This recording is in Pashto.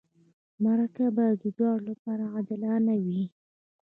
مرکه باید د دواړو لپاره عادلانه وي.